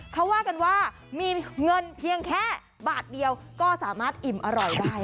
เขาว่ากันว่ามีเงินเพียงแค่บาทเดียวก็สามารถอิ่มอร่อยได้